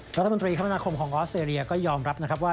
รัฐมนตรีคมนาคมของออสเตรเลียก็ยอมรับนะครับว่า